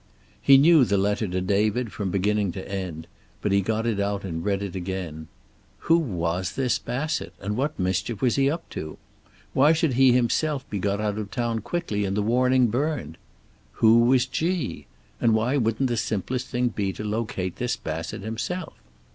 He knew the letter to David from beginning to end, but he got it out and read it again. Who was this Bassett, and what mischief was he up to? Why should he himself be got out of town quickly and the warning burned? Who was "G"? And why wouldn't the simplest thing be to locate this Bassett himself?